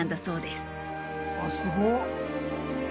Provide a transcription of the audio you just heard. すごい！